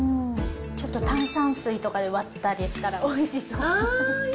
ちょっと炭酸水とかで割ったりしたら、おいしそう。